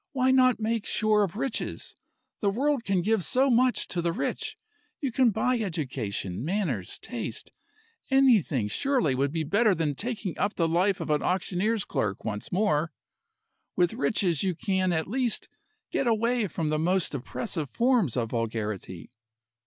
Why not make sure of riches? The world can give so much to the rich. You can buy education, manners, taste. Anything, surely, would be better than taking up the life of an auctioneer's clerk once more? With riches you can at least get away from the most oppressive forms of vulgarity."